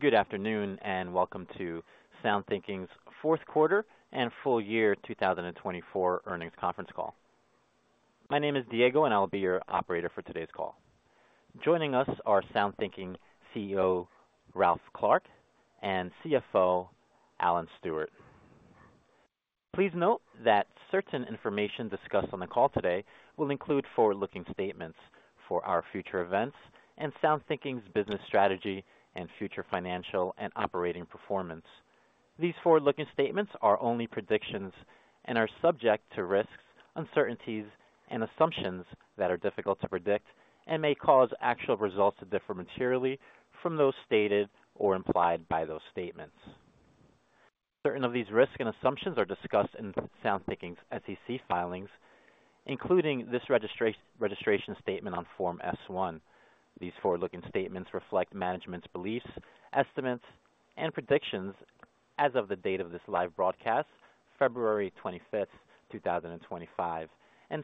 Good afternoon and welcome to SoundThinking's fourth quarter and full year 2024 earnings conference call. My name is Diego, and I'll be your operator for today's call. Joining us are SoundThinking CEO Ralph Clark and CFO Alan Stewart. Please note that certain information discussed on the call today will include forward-looking statements for our future events and SoundThinking's business strategy and future financial and operating performance. These forward-looking statements are only predictions and are subject to risks, uncertainties, and assumptions that are difficult to predict and may cause actual results to differ materially from those stated or implied by those statements. Certain of these risks and assumptions are discussed in SoundThinking's SEC filings, including this registration statement on Form S1. These forward-looking statements reflect management's beliefs, estimates, and predictions as of the date of this live broadcast, February 25th, 2025.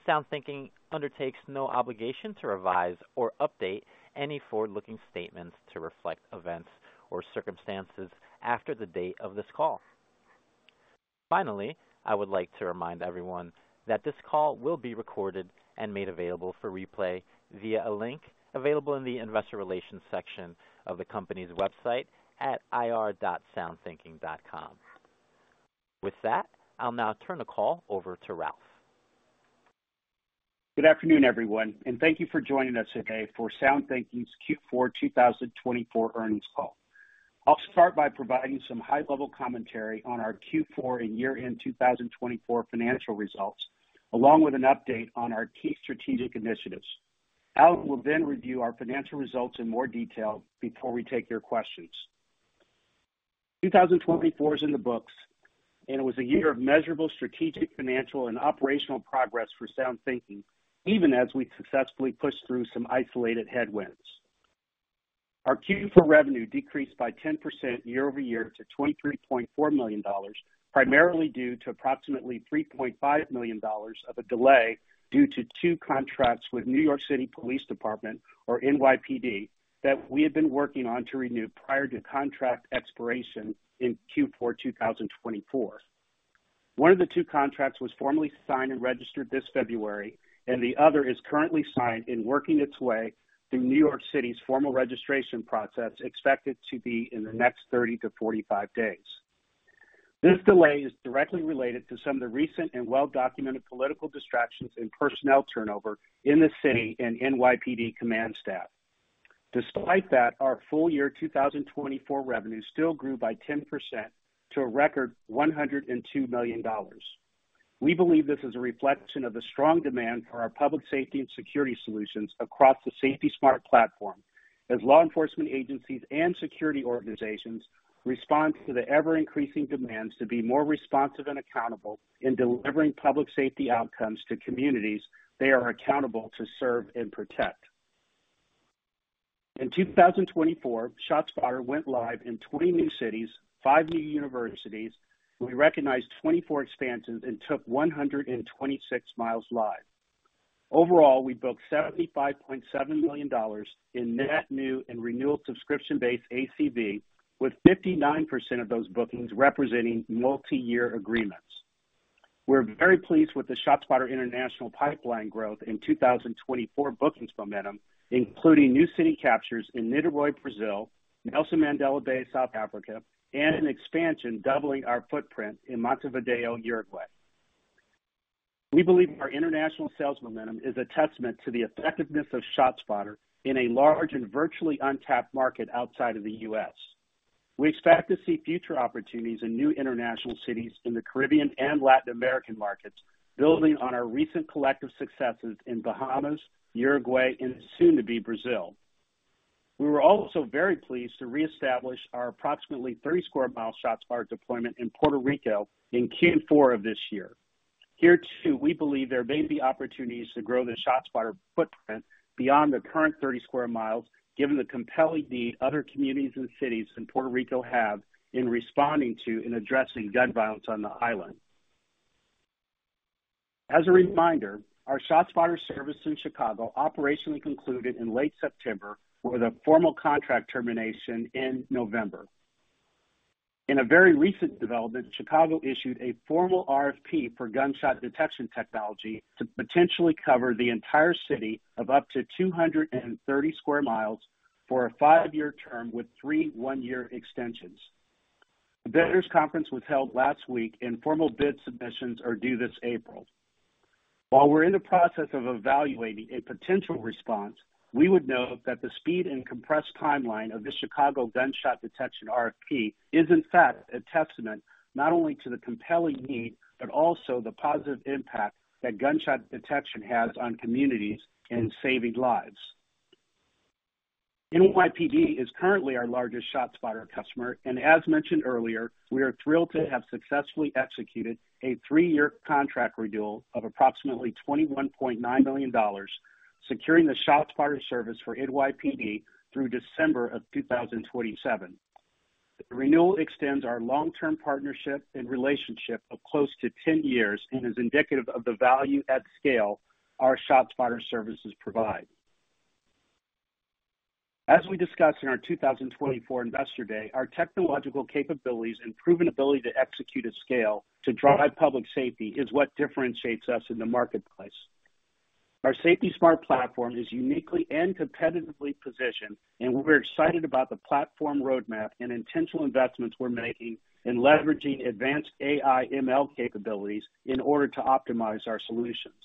SoundThinking undertakes no obligation to revise or update any forward-looking statements to reflect events or circumstances after the date of this call. Finally, I would like to remind everyone that this call will be recorded and made available for replay via a link available in the investor relations section of the company's website at ir.soundthinking.com. With that, I'll now turn the call over to Ralph. Good afternoon, everyone, and thank you for joining us today for SoundThinking's Q4 2024 earnings call. I'll start by providing some high-level commentary on our Q4 and year-end 2024 financial results, along with an update on our key strategic initiatives. Alan will then review our financial results in more detail before we take your questions. 2024 is in the books, and it was a year of measurable strategic, financial, and operational progress for SoundThinking, even as we successfully pushed through some isolated headwinds. Our Q4 revenue decreased by 10% year-over-year to $23.4 million, primarily due to approximately $3.5 million of a delay due to two contracts with New York City Police Department, or NYPD, that we had been working on to renew prior to contract expiration in Q4 2024. One of the two contracts was formally signed and registered this February, and the other is currently signed and working its way through New York City's formal registration process, expected to be in the next 30-45 days. This delay is directly related to some of the recent and well-documented political distractions and personnel turnover in the city and NYPD command staff. Despite that, our full year 2024 revenue still grew by 10% to a record $102 million. We believe this is a reflection of the strong demand for our public safety and security solutions across the SafetySmart platform, as law enforcement agencies and security organizations respond to the ever-increasing demands to be more responsive and accountable in delivering public safety outcomes to communities they are accountable to serve and protect. In 2024, ShotSpotter went live in 20 new cities, five new universities, we recognized 24 expansions, and took 126 mi live. Overall, we booked $75.7 million in net new and renewal subscription-based ACV, with 59% of those bookings representing multi-year agreements. We're very pleased with the ShotSpotter International pipeline growth and 2024 bookings momentum, including new city captures in Niterói, Brazil, Nelson Mandela Bay, South Africa, and an expansion doubling our footprint in Montevidéo, Uruguay. We believe our international sales momentum is a testament to the effectiveness of ShotSpotter in a large and virtually untapped market outside of the U.S. We expect to see future opportunities in new international cities in the Caribbean and Latin American markets, building on our recent collective successes in Bahamas, Uruguay, and soon-to-be Brazil. We were also very pleased to reestablish our approximately 30 sq mi ShotSpotter deployment in Puerto Rico in Q4 of this year. Here, too, we believe there may be opportunities to grow the ShotSpotter footprint beyond the current 30 sq mi, given the compelling need other communities and cities in Puerto Rico have in responding to and addressing gun violence on the island. As a reminder, our ShotSpotter service in Chicago operationally concluded in late September, with a formal contract termination in November. In a very recent development, Chicago issued a formal RFP for gunshot detection technology to potentially cover the entire city of up to 230 sq mi for a five-year term with three one-year extensions. The vendors' conference was held last week, and formal bid submissions are due this April. While we're in the process of evaluating a potential response, we would note that the speed and compressed timeline of the Chicago gunshot detection RFP is, in fact, a testament not only to the compelling need, but also the positive impact that gunshot detection has on communities and saving lives. NYPD is currently our largest ShotSpotter customer, and as mentioned earlier, we are thrilled to have successfully executed a three-year contract renewal of approximately $21.9 million, securing the ShotSpotter service for NYPD through December of 2027. The renewal extends our long-term partnership and relationship of close to 10 years and is indicative of the value at scale our ShotSpotter services provide. As we discussed in our 2024 Investor Day, our technological capabilities and proven ability to execute at scale to drive public safety is what differentiates us in the marketplace. Our SafetySmart platform is uniquely and competitively positioned, and we're excited about the platform roadmap and intentional investments we're making in leveraging advanced AI/ML capabilities in order to optimize our solutions.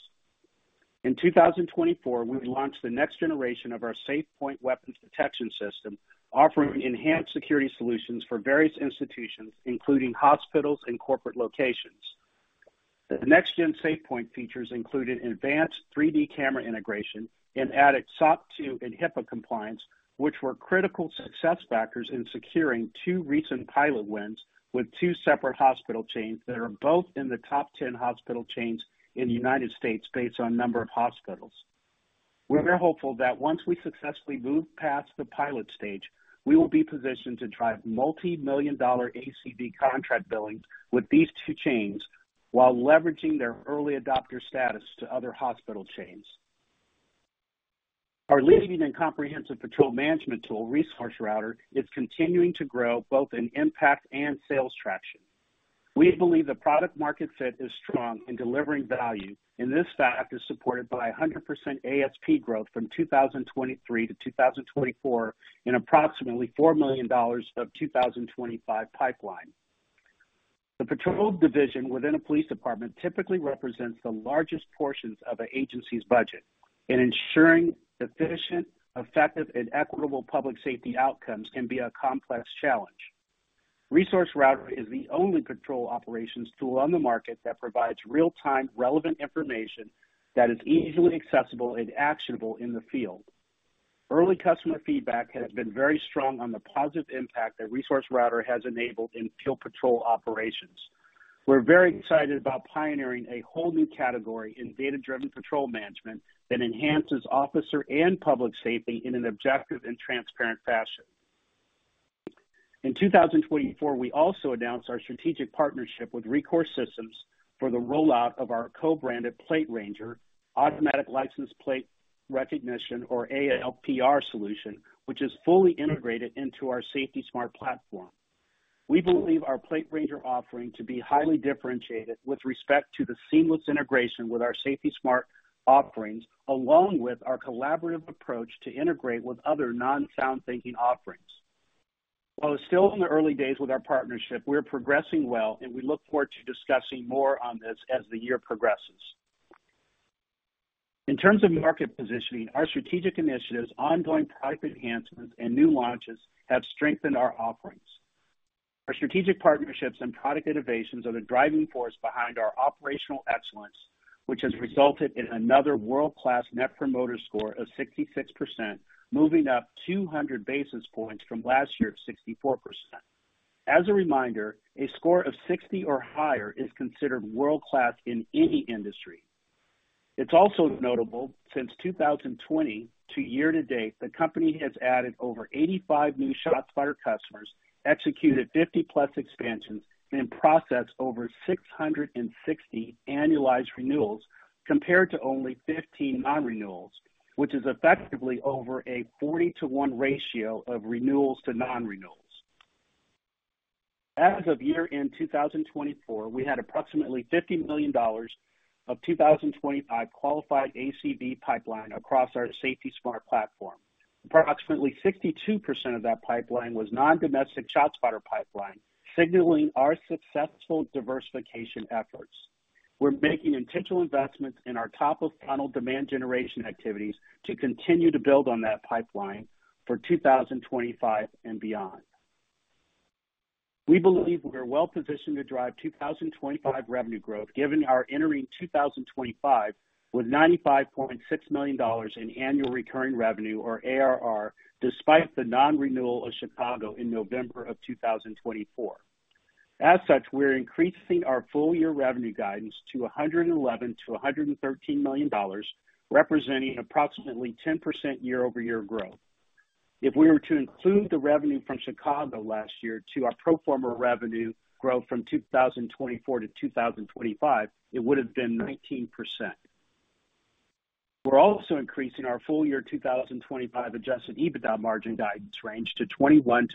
In 2024, we launched the next generation of our SafePoint weapons detection system, offering enhanced security solutions for various institutions, including hospitals and corporate locations. The next-gen SafePoint features included advanced 3D camera integration and added SOC 2 and HIPAA compliance, which were critical success factors in securing two recent pilot wins with two separate hospital chains that are both in the top 10 hospital chains in the United States based on number of hospitals. We're hopeful that once we successfully move past the pilot stage, we will be positioned to drive multi-million dollar ACV contract billing with these two chains while leveraging their early adopter status to other hospital chains. Our leading and comprehensive patrol management tool, ResourceRouter, is continuing to grow both in impact and sales traction. We believe the product-market fit is strong and delivering value, and this fact is supported by 100% ASP growth from 2023 to 2024 in approximately $4 million of the 2025 pipeline. The patrol division within a police department typically represents the largest portions of an agency's budget, and ensuring efficient, effective, and equitable public safety outcomes can be a complex challenge. ResourceRouter is the only patrol operations tool on the market that provides real-time, relevant information that is easily accessible and actionable in the field. Early customer feedback has been very strong on the positive impact that ResourceRouter has enabled in field patrol operations. We're very excited about pioneering a whole new category in data-driven patrol management that enhances officer and public safety in an objective and transparent fashion. In 2024, we also announced our strategic partnership with Recore Systems for the rollout of our co-branded Plate Ranger, Automatic License Plate Recognition, or ALPR solution, which is fully integrated into our SafetySmart platform. We believe our Plate Ranger offering to be highly differentiated with respect to the seamless integration with our SafetySmart offerings, along with our collaborative approach to integrate with other non-SoundThinking offerings. While still in the early days with our partnership, we're progressing well, and we look forward to discussing more on this as the year progresses. In terms of market positioning, our strategic initiatives, ongoing product enhancements, and new launches have strengthened our offerings. Our strategic partnerships and product innovations are the driving force behind our operational excellence, which has resulted in another world-class net promoter score of 66%, moving up 200 basis points from last year's 64%. As a reminder, a score of 60 or higher is considered world-class in any industry. It's also notable that since 2020 to year-to-date, the company has added over 85 new ShotSpotter customers, executed 50-plus expansions, and processed over 660 annualized renewals, compared to only 15 non-renewals, which is effectively over a 40-to-1 ratio of renewals to non-renewals. As of year-end 2024, we had approximately $50 million of 2025 qualified ACV pipeline across our SafetySmart Platform. Approximately 62% of that pipeline was non-domestic ShotSpotter pipeline, signaling our successful diversification efforts. We're making intentional investments in our top-of-funnel demand generation activities to continue to build on that pipeline for 2025 and beyond. We believe we're well-positioned to drive 2025 revenue growth, given our entering 2025 with $95.6 million in annual recurring revenue, or ARR, despite the non-renewal of Chicago in November of 2024. As such, we're increasing our full-year revenue guidance to $111 million-$113 million, representing approximately 10% year-over-year growth. If we were to include the revenue from Chicago last year to our pro forma revenue growth from 2024 to 2025, it would have been 19%. We're also increasing our full-year 2025 adjusted EBITDA margin guidance range to 21%-23%.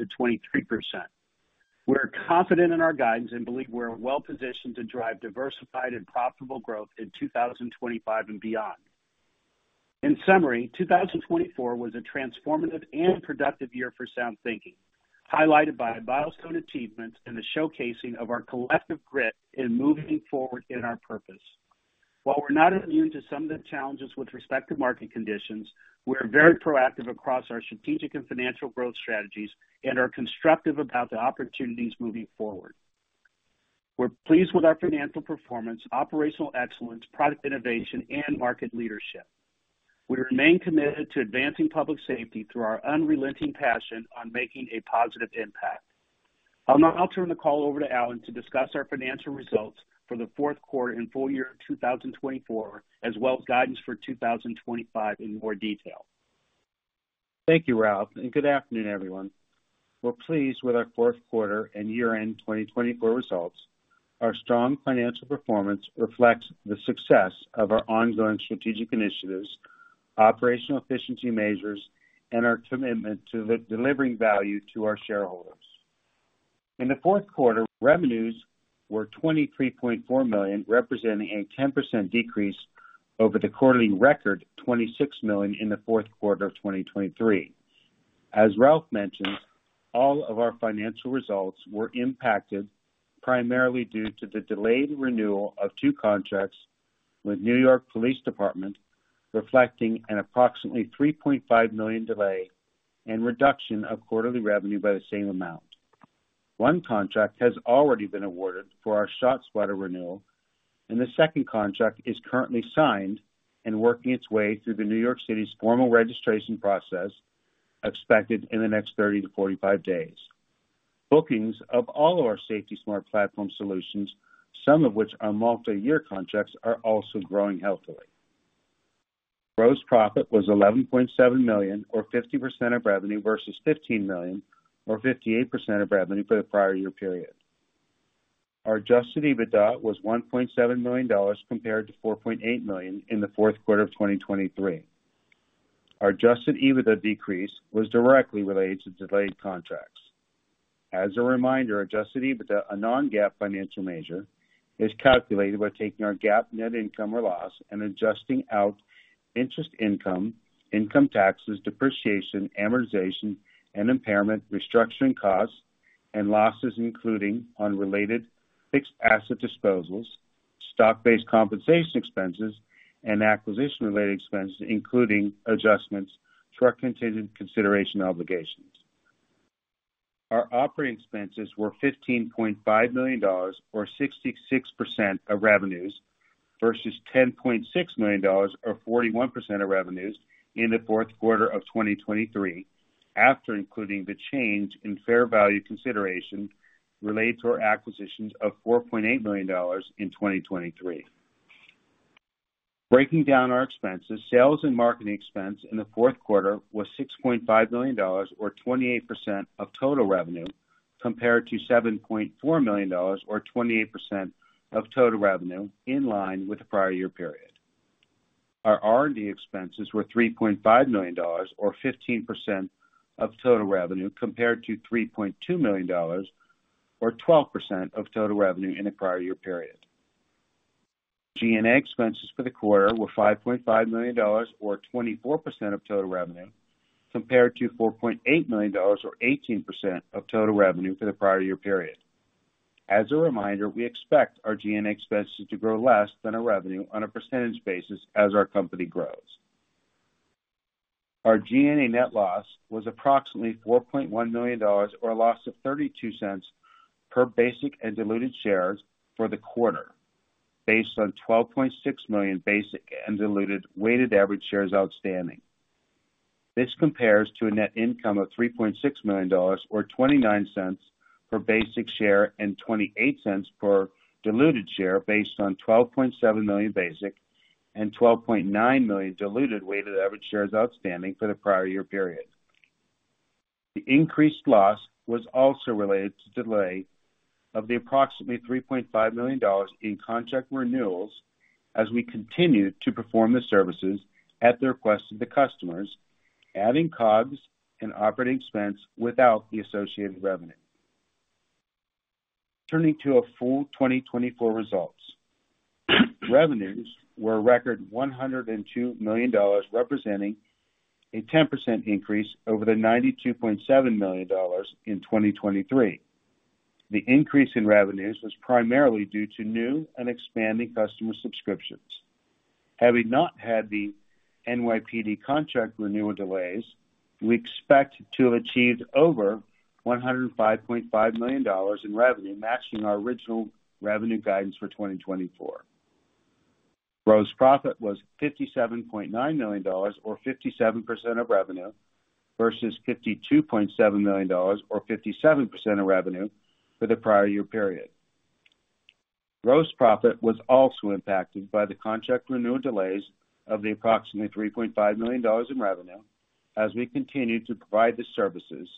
We're confident in our guidance and believe we're well-positioned to drive diversified and profitable growth in 2025 and beyond. In summary, 2024 was a transformative and productive year for SoundThinking, highlighted by milestone achievements and the showcasing of our collective grit in moving forward in our purpose. While we're not immune to some of the challenges with respect to market conditions, we're very proactive across our strategic and financial growth strategies and are constructive about the opportunities moving forward. We're pleased with our financial performance, operational excellence, product innovation, and market leadership. We remain committed to advancing public safety through our unrelenting passion on making a positive impact. I'll now turn the call over to Alan to discuss our financial results for the fourth quarter and full year 2024, as well as guidance for 2025 in more detail. Thank you, Ralph, and good afternoon, everyone. We're pleased with our fourth quarter and year-end 2024 results. Our strong financial performance reflects the success of our ongoing strategic initiatives, operational efficiency measures, and our commitment to delivering value to our shareholders. In the fourth quarter, revenues were $23.4 million, representing a 10% decrease over the quarterly record $26 million in the fourth quarter of 2023. As Ralph mentioned, all of our financial results were impacted primarily due to the delayed renewal of two contracts with New York Police Department, reflecting an approximately $3.5 million delay and reduction of quarterly revenue by the same amount. One contract has already been awarded for our ShotSpotter renewal, and the second contract is currently signed and working its way through the New York City's formal registration process, expected in the next 30 to 45 days. Bookings of all of our SafetySmart Platform solutions, some of which are multi-year contracts, are also growing healthily. Gross profit was $11.7 million, or 50% of revenue, versus $15 million, or 58% of revenue for the prior year period. Our adjusted EBITDA was $1.7 million, compared to $4.8 million in the fourth quarter of 2023. Our adjusted EBITDA decrease was directly related to delayed contracts. As a reminder, adjusted EBITDA, a non-GAAP financial measure, is calculated by taking our GAAP net income or loss and adjusting out interest income, income taxes, depreciation, amortization, and impairment, restructuring costs, and losses, including on-related fixed asset disposals, stock-based compensation expenses, and acquisition-related expenses, including adjustments for contingent consideration obligations. Our operating expenses were $15.5 million, or 66% of revenues, versus $10.6 million, or 41% of revenues, in the fourth quarter of 2023, after including the change in fair value consideration related to our acquisitions of $4.8 million in 2023. Breaking down our expenses, sales and marketing expense in the fourth quarter was $6.5 million, or 28% of total revenue, compared to $7.4 million, or 28% of total revenue, in line with the prior year period. Our R&D expenses were $3.5 million, or 15% of total revenue, compared to $3.2 million, or 12% of total revenue in the prior year period. G&A expenses for the quarter were $5.5 million, or 24% of total revenue, compared to $4.8 million, or 18% of total revenue for the prior year period. As a reminder, we expect our G&A expenses to grow less than our revenue on a percentage basis as our company grows. Our G&A net loss was approximately $4.1 million, or a loss of $0.32 per basic and diluted share for the quarter, based on $12.6 million basic and diluted weighted average shares outstanding. This compares to a net income of $3.6 million, or $0.29 per basic share and $0.28 per diluted share, based on $12.7 million basic and $12.9 million diluted weighted average shares outstanding for the prior year period. The increased loss was also related to delay of the approximately $3.5 million in contract renewals as we continued to perform the services at the request of the customers, adding COGS and operating expense without the associated revenue. Turning to our full 2024 results, revenues were a record $102 million, representing a 10% increase over the $92.7 million in 2023. The increase in revenues was primarily due to new and expanding customer subscriptions. Having not had the NYPD contract renewal delays, we expect to have achieved over $105.5 million in revenue, matching our original revenue guidance for 2024. Gross profit was $57.9 million, or 57% of revenue, versus $52.7 million, or 57% of revenue for the prior year period. Gross profit was also impacted by the contract renewal delays of the approximately $3.5 million in revenue as we continued to provide the services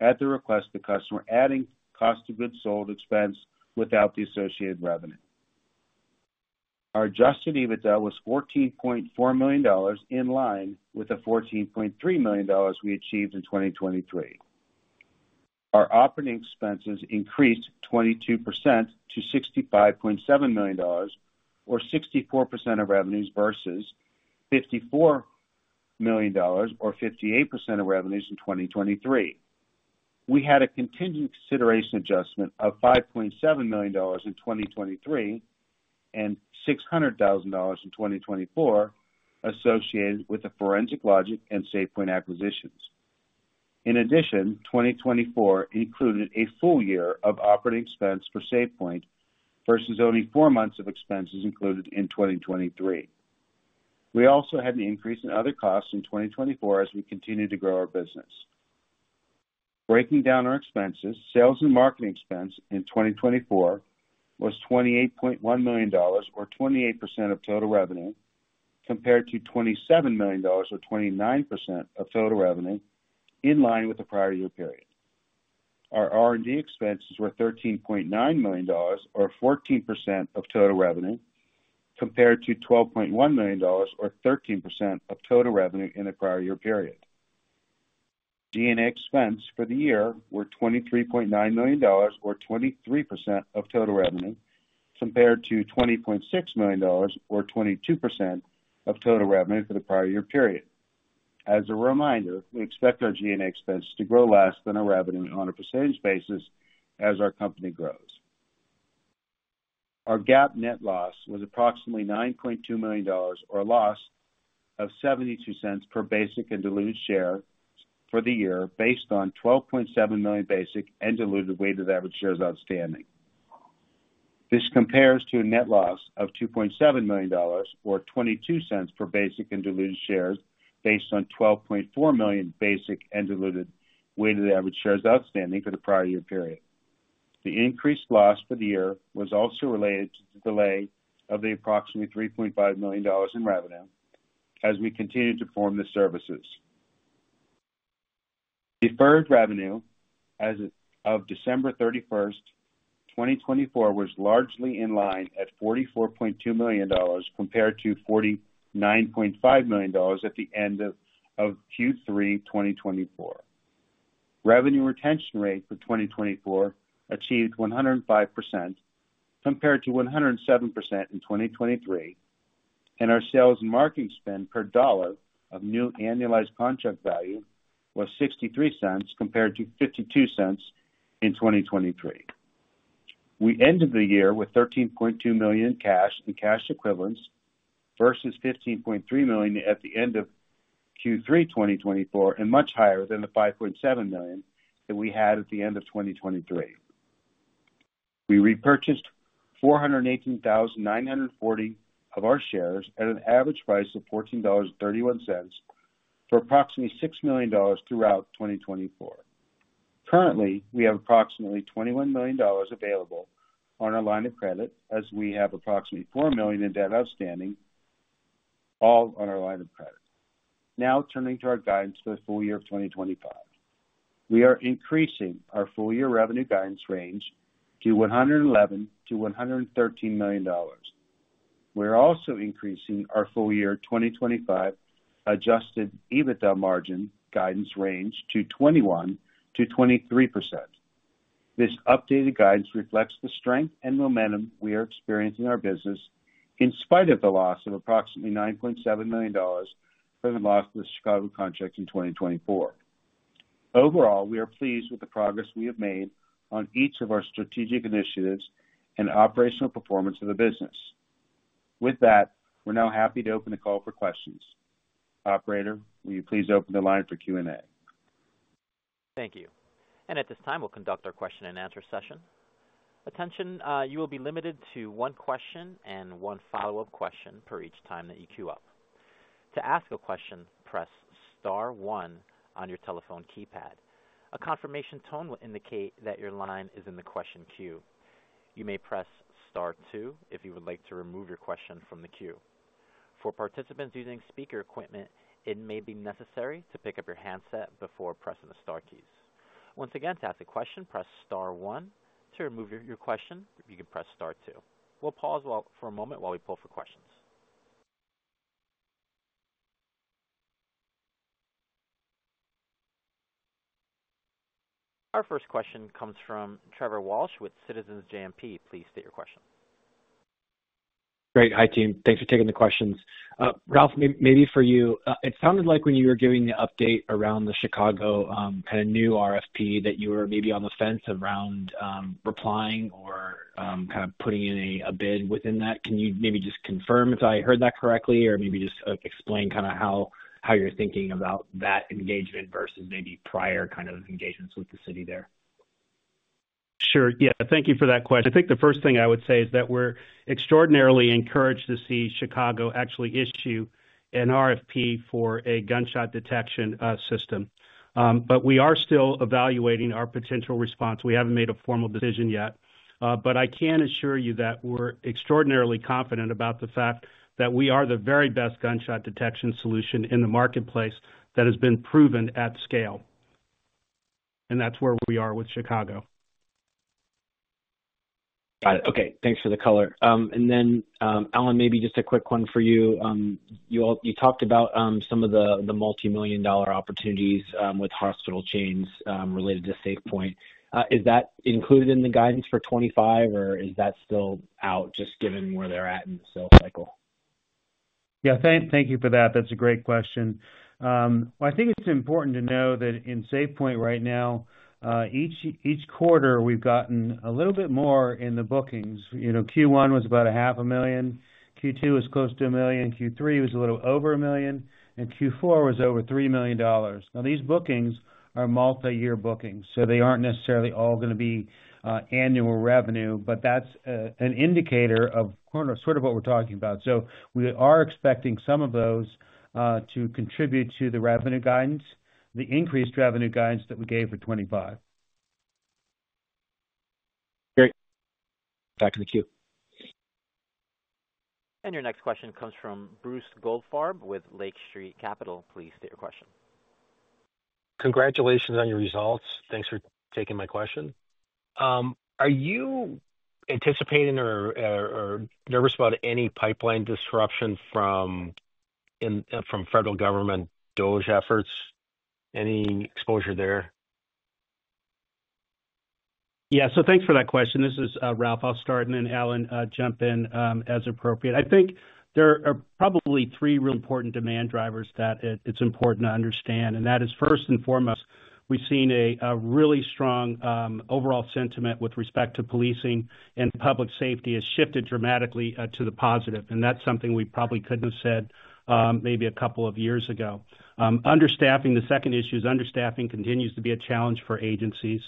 at the request of the customer, adding cost of goods sold expense without the associated revenue. Our adjusted EBITDA was $14.4 million, in line with the $14.3 million we achieved in 2023. Our operating expenses increased 22% to $65.7 million, or 64% of revenues, versus $54 million, or 58% of revenues in 2023. We had a contingent consideration adjustment of $5.7 million in 2023 and $600,000 in 2024, associated with the ForensicLogic and SafePoint acquisitions. In addition, 2024 included a full year of operating expense for SafePoint, versus only four months of expenses included in 2023. We also had an increase in other costs in 2024 as we continued to grow our business. Breaking down our expenses, sales and marketing expense in 2024 was $28.1 million, or 28% of total revenue, compared to $27 million, or 29% of total revenue, in line with the prior year period. Our R&D expenses were $13.9 million, or 14% of total revenue, compared to $12.1 million, or 13% of total revenue in the prior year period. G&A expense for the year was $23.9 million, or 23% of total revenue, compared to $20.6 million, or 22% of total revenue for the prior year period. As a reminder, we expect our G&A expense to grow less than our revenue on a percentage basis as our company grows. Our GAAP net loss was approximately $9.2 million, or a loss of $0.72 per basic and diluted share for the year, based on $12.7 million basic and diluted weighted average shares outstanding. This compares to a net loss of $2.7 million, or $0.22 per basic and diluted shares, based on 12.4 million basic and diluted weighted average shares outstanding for the prior year period. The increased loss for the year was also related to the delay of the approximately $3.5 million in revenue as we continued to perform the services. Deferred revenue as of December 31st, 2024, was largely in line at $44.2 million, compared to $49.5 million at the end of Q3 2024. Revenue retention rate for 2024 achieved 105%, compared to 107% in 2023, and our sales and marketing spend per dollar of new annualized contract value was $0.63, compared to $0.52 in 2023. We ended the year with $13.2 million in cash and cash equivalents, versus $15.3 million at the end of Q3 2024, and much higher than the $5.7 million that we had at the end of 2023. We repurchased $418,940 of our shares at an average price of $14.31 for approximately $6 million throughout 2024. Currently, we have approximately $21 million available on our line of credit, as we have approximately $4 million in debt outstanding, all on our line of credit. Now, turning to our guidance for the full-year of 2025, we are increasing our full-year revenue guidance range to $111 million-$113 million. We're also increasing our full-year 2025 adjusted EBITDA margin guidance range to 21%-23%. This updated guidance reflects the strength and momentum we are experiencing in our business, in spite of the loss of approximately $9.7 million from the loss of the Chicago contract in 2024. Overall, we are pleased with the progress we have made on each of our strategic initiatives and operational performance of the business. With that, we're now happy to open the call for questions. Operator, will you please open the line for Q&A? Thank you. At this time, we'll conduct our question-and-answer session. Attention, you will be limited to one question and one follow-up question per each time that you queue up. To ask a question, press star one on your telephone keypad. A confirmation tone will indicate that your line is in the question queue. You may press star two if you would like to remove your question from the queue. For participants using speaker equipment, it may be necessary to pick up your handset before pressing the star keys. Once again, to ask a question, press star one. To remove your question, you can press star two. We'll pause for a moment while we pull for questions. Our first question comes from Trevor Walsh with Citizens JMP. Please state your question. Great. Hi, team. Thanks for taking the questions. Ralph, maybe for you, it sounded like when you were giving the update around the Chicago kind of new RFP that you were maybe on the fence around replying or kind of putting in a bid within that. Can you maybe just confirm if I heard that correctly, or maybe just explain kind of how you're thinking about that engagement versus maybe prior kind of engagements with the city there? Sure. Yeah. Thank you for that question. I think the first thing I would say is that we're extraordinarily encouraged to see Chicago actually issue an RFP for a gunshot detection system. We are still evaluating our potential response. We haven't made a formal decision yet. I can assure you that we're extraordinarily confident about the fact that we are the very best gunshot detection solution in the marketplace that has been proven at scale. That's where we are with Chicago. Got it. Okay. Thanks for the color. Alan, maybe just a quick one for you. You talked about some of the multi-million-dollar opportunities with hospital chains related to SafePoint. Is that included in the guidance for 2025, or is that still out, just given where they're at in the sales cycle? Yeah. Thank you for that. That's a great question. I think it's important to know that in SafePoint right now, each quarter, we've gotten a little bit more in the bookings. Q1 was about $500,000. Q2 was close to $1 million. Q3 was a little over $1 million. Q4 was over $3 million. Now, these bookings are multi-year bookings, so they aren't necessarily all going to be annual revenue, but that's an indicator of sort of what we're talking about. We are expecting some of those to contribute to the revenue guidance, the increased revenue guidance that we gave for 2025. Great. Back in the queue. Your next question comes from Bruce Goldfarb with Lake Street Capital. Please state your question. Congratulations on your results. Thanks for taking my question. Are you anticipating or nervous about any pipeline disruption from federal government DOGE efforts? Any exposure there? Yeah. Thanks for that question. This is Ralph. I'll start, and then Alan jump in as appropriate. I think there are probably three real important demand drivers that it's important to understand. That is, first and foremost, we've seen a really strong overall sentiment with respect to policing and public safety has shifted dramatically to the positive. That's something we probably couldn't have said maybe a couple of years ago. The second issue is understaffing continues to be a challenge for agencies.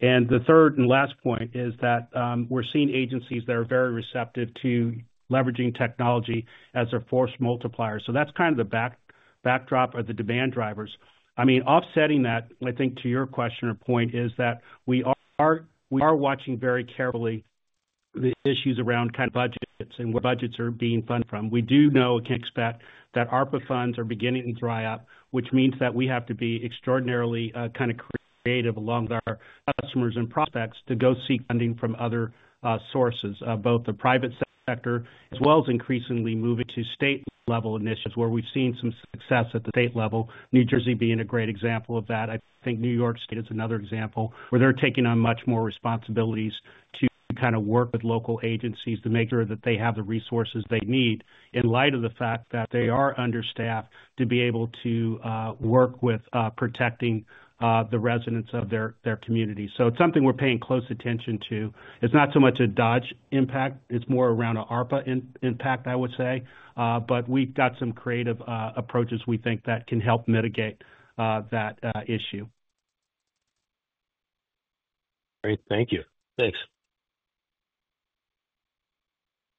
The third and last point is that we're seeing agencies that are very receptive to leveraging technology as a force multiplier. That's kind of the backdrop or the demand drivers. I mean, offsetting that, I think, to your question or point is that we are watching very carefully the issues around kind of budgets and where budgets are being funded from. We do know and can expect that ARPA funds are beginning to dry up, which means that we have to be extraordinarily kind of creative along with our customers and prospects to go seek funding from other sources, both the private sector as well as increasingly moving to state-level initiatives where we've seen some success at the state-level. New Jersey being a great example of that. I think New York State is another example where they're taking on much more responsibilities to kind of work with local agencies to make sure that they have the resources they need in light of the fact that they are understaffed to be able to work with protecting the residents of their community. It is something we're paying close attention to. It's not so much a DOGE impact. It's more around an ARPA impact, I would say. We've got some creative approaches we think that can help mitigate that issue. Great. Thank you.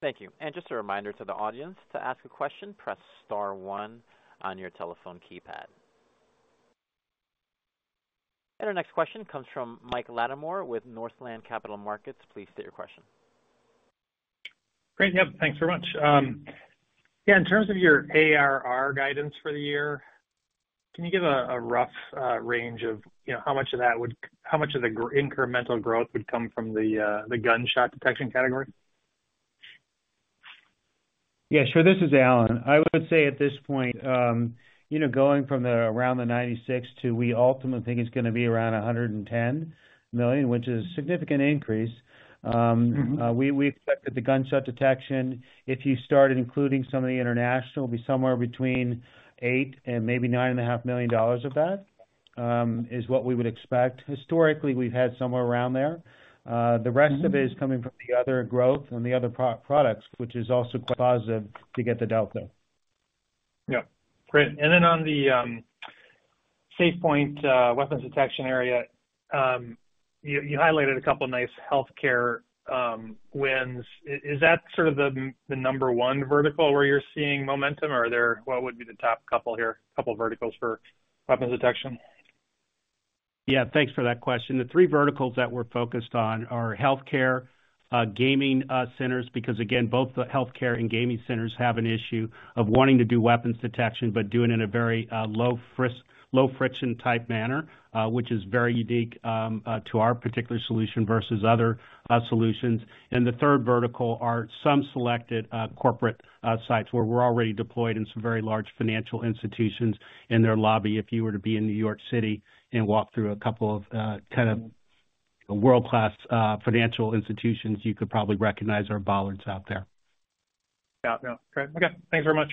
Thanks. Thank you. Just a reminder to the audience to ask a question, press star one on your telephone keypad. Our next question comes from Michael Latimore with Northland Capital Markets. Please state your question. Great. Yep. Thanks very much. Yeah. In terms of your ARR guidance for the year, can you give a rough range of how much of that would, how much of the incremental growth would come from the gunshot detection category? Yeah. Sure. This is Alan. I would say at this point, going from around the $96 million to we ultimately think it's going to be around $110 million, which is a significant increase. We expect that the gunshot detection, if you start including some of the international, will be somewhere between $8 million and maybe $9.5 million of that is what we would expect. Historically, we've had somewhere around there. The rest of it is coming from the other growth and the other products, which is also quite positive to get the delta. Yep. Great. In the SafePoint weapons detection area, you highlighted a couple of nice healthcare wins. Is that sort of the number one vertical where you're seeing momentum, or what would be the top couple here, couple of verticals for weapons detection? Yeah. Thanks for that question. The three verticals that we're focused on are healthcare, gaming centers, because, again, both the healthcare and gaming centers have an issue of wanting to do weapons detection, but doing it in a very low-friction type manner, which is very unique to our particular solution versus other solutions. The third vertical are some selected corporate sites where we're already deployed in some very large financial institutions in their lobby. If you were to be in New York City and walk through a couple of kind of world-class financial institutions, you could probably recognize our bollards out there. Yeah. No. Okay. Thanks very much.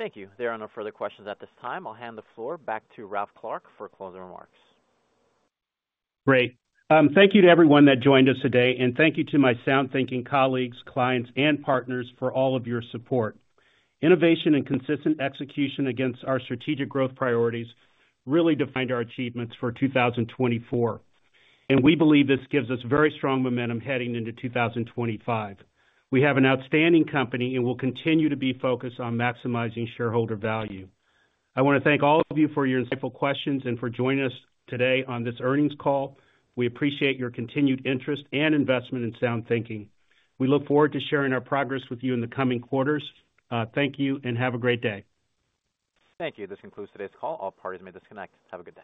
Thank you. There are no further questions at this time. I'll hand the floor back to Ralph Clark for closing remarks. Great. Thank you to everyone that joined us today. And thank you to my SoundThinking colleagues, clients, and partners for all of your support. Innovation and consistent execution against our strategic growth priorities really defined our achievements for 2024. We believe this gives us very strong momentum heading into 2025. We have an outstanding company and will continue to be focused on maximizing shareholder value. I want to thank all of you for your insightful questions and for joining us today on this earnings call. We appreciate your continued interest and investment in SoundThinking. We look forward to sharing our progress with you in the coming quarters. Thank you and have a great day. Thank you. This concludes today's call. All parties may disconnect. Have a good day.